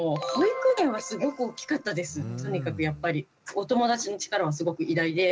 お友達の力はすごく偉大で。